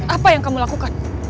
apa yang kamu lakukan